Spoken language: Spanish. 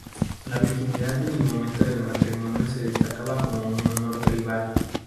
La virginidad en el momento del matrimonio se destacaba como un honor tribal.